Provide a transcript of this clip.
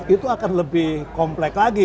itu akan lebih komplek lagi